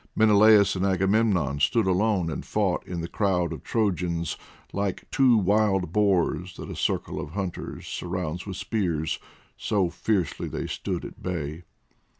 Menelaus and Agamemnon stood alone and fought in the crowd of Trojans, like two wild boars that a circle of hunters surrounds with spears, so fiercely they stood at bay.